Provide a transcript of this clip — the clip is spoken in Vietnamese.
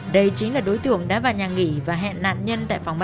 không có được phát cả hàng xong